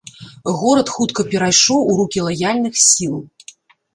Горад хутка перайшоў у рукі лаяльных сіл.